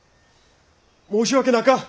申し訳なか！